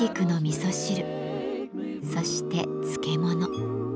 そして漬物。